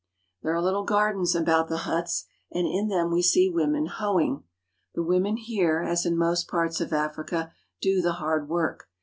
There are little gardens about the huts, and in them we see women hoeing. The women here, as in most parts of Africa, do the hard work.